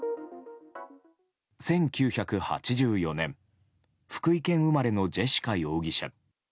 １９８４年、福井県生まれのジェシカ容疑者。